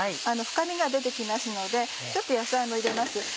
深みが出て来ますのでちょっと野菜も入れます。